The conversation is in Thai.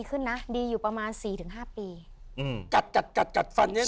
ขึ้นนะดีอยู่ประมาณสี่ถึงห้าปีอืมกัดกัดกัดกัดฟันเนี้ย